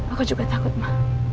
aku juga takut ma